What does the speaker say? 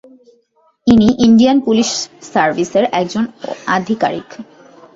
ইনি Indian police সার্ভিসের একজন আধিকারিক।